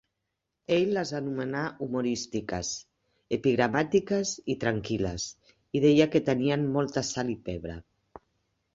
Ell les anomenà humorístiques, epigramàtiques i tranquil·les i deia que tenien molta sal i pebre.